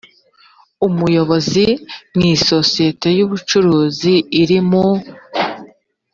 umuyobozi mu isosiyete y ubucuruzi iri mu